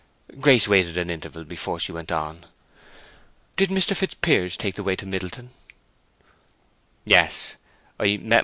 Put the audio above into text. Grace waited an interval before she went on: "Did Mr. Fitzpiers take the way to Middleton?" "Yes...